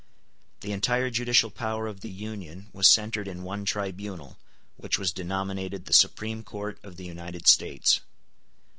The entire judicial power of the Union was centred in one tribunal, which was denominated the Supreme Court of the United States.